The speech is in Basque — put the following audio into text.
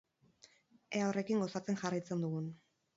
Ea horrekin gozatzen jarraitzen dugun!